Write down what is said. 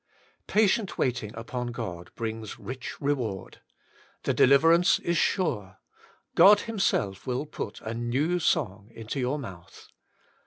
Patient waiting upon God brings a rich reward ; the deliverance is sure ; God Himself will put a new song into your mouth.